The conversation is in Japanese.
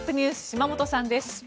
島本さんです。